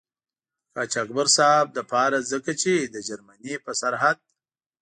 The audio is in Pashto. د قاچاقبر صاحب له پاره ځکه چې د جرمني په سرحد.